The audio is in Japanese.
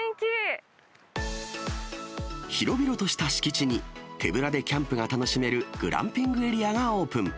広々とした敷地に、手ぶらでキャンプが楽しめるグランピングエリアがオープン。